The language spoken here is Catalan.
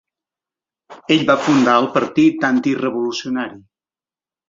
Ell va fundar el Partit Antirevolucionari.